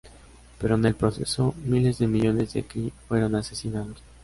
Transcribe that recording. Pero en el proceso, miles de millones de Kree fueron asesinados.